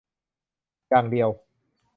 อย่างเดียว